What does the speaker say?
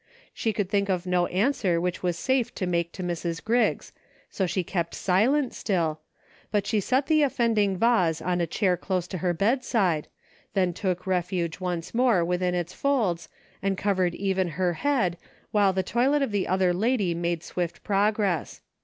She could think of no answer which was safe to make to Mrs. Griggs, so she kept silent still, but she set the offending vase on a chair close to her bedside, then took refuge once more within its folds and covered even her head, while the toilet of the other lady made swift progress.